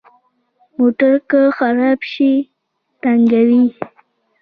موټر که خراب شي، تنګوي.